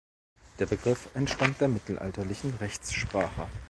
Der Begriff entstammt der mittelalterlichen Rechtssprache.